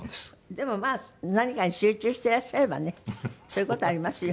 でもまあ何かに集中していらっしゃればねそういう事ありますよ。